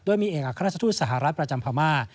โดยมีเองกับคณะสถุทธิ์สหรัฐประจำพม่า